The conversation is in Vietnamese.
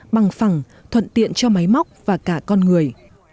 bằng phẳng thuận tiện cho máy móc và cả con người